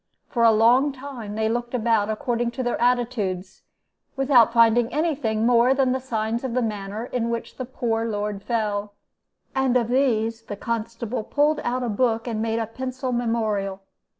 "For a long time they looked about, according to their attitudes, without finding any thing more than the signs of the manner in which the poor lord fell, and of these the constable pulled out a book and made a pencil memorial.